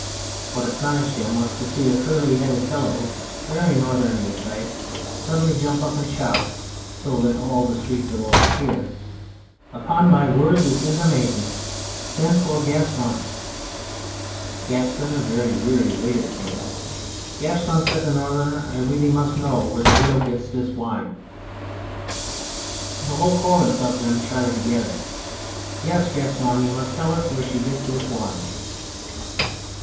What astonished him was to see a curly headed fellow, very Northern in type, suddenly jump up and shout, so that all the street below could hear " Upon my word this is amazing ! Send for Gaston !" Gaston, a very weary waiter, came. " Gaston," said the Northerner, " I really must know where the Widow gets this wine !" 178 The Hungry Student The whole chorus of them shouted together :" Yes, Gaston, you must tell us where she gets this wine